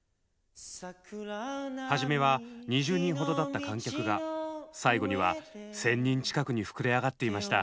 始めは２０人ほどだった観客が最後には１，０００人近くに膨れあがっていました。